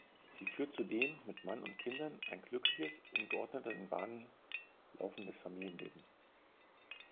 Sie führt zudem mit Mann und Kindern ein glückliches in geordneten Bahnen laufendes Familienleben.